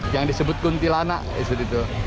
yang disebut kuntilanak itu